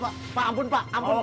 ya pak ampun pak ampun pak